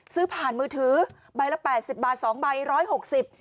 ซื้อผ่านมือถือใบละ๘๐บาท๒ใบ๑๖๐